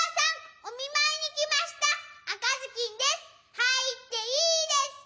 はいっていいですか？